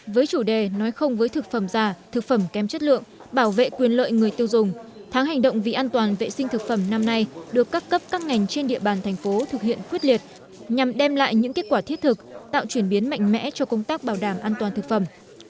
với chủ đề nói không với thực phẩm già thực phẩm kém chất lượng bảo vệ quyền lợi người tiêu dùng tháng hành động vì an toàn vệ sinh thực phẩm năm nay được các cấp các ngành trên địa bàn thành phố thực hiện quyết liệt nhằm đem lại những kết quả thiết thực tạo chuyển biến mạnh mẽ cho công tác bảo đảm an toàn thực phẩm